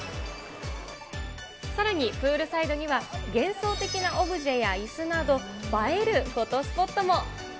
さらに、プールサイドには幻想的なオブジェやいすなど、映えるフォトスポットも。